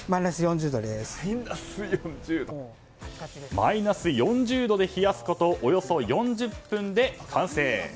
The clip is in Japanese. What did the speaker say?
マイナス４０度で冷やすことおよそ４０分で完成。